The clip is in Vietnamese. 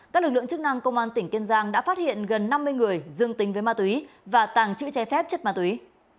các lực lượng chức năng công an tỉnh kiên giang đã phát hiện gần năm mươi người dương tính với ma túy và tàng trữ trái phép chất ma túy